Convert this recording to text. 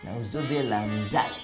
namun sudah bilang zat